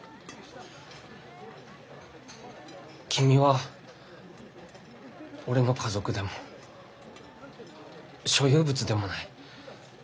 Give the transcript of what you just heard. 君は俺の家族でも所有物でもない。